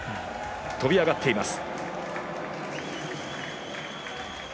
跳びあがっています。